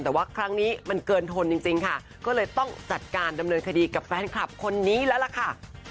แต่ว่าครั้งนี้มันเกินทนจริงค่ะก็เลยต้องจัดการดำเนินคดีกับแฟนคลับคนนี้แล้วล่ะค่ะ